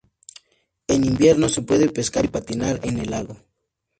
En invierno se puede pescar y patinar en el lago.